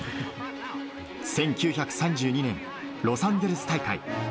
１９３２年ロサンゼルス大会。